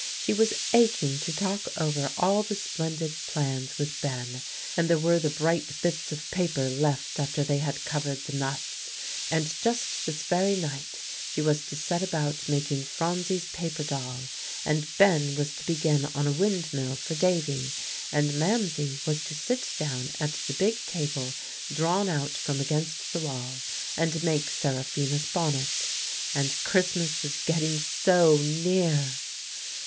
She was aching to talk over all the splendid plans with Ben; and there were the bright bits of paper left after they had covered the nuts; and just this very night she was to set about making Phronsie's paper doll, and Ben was to begin on a windmill for Davie, and Mamsie was to sit down at the big table drawn out from against the wall, and make Seraphina's bonnet. And Christmas was getting so near!